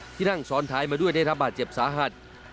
นั่งซ้อนท้ายมาด้วยได้รับบาดเจ็บสาหัส